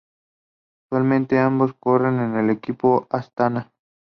Actualmente ambos corren en el equipo Astana.